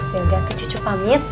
yaudah tuh cucu pamit